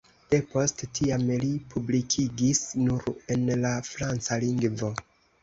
Depost tiam li publikigis nur en la franca lingvo.